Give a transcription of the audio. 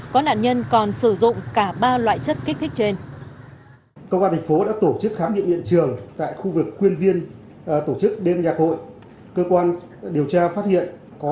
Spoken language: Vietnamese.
có nạn nhân còn sử dụng cả ba loại chất kích thích trên